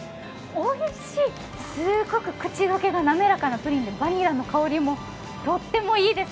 おいしい、すーごく口溶けが滑らかなプリンでバニラの香りもとってもいいです。